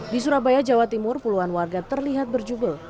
di surabaya jawa timur puluhan warga terlihat berjubel